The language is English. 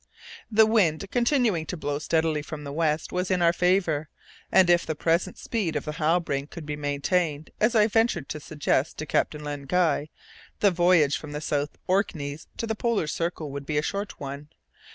The wind, continuing to blow steadily from the west, was in our favour, and if the present speed of the Halbrane could be maintained, as I ventured to suggest to Captain Len Guy, the voyage from the South Orkneys to the Polar Circle would be a short one.